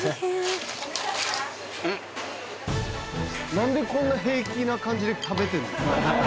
なんでこんな平気な感じで食べてんの？